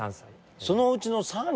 そのうちの。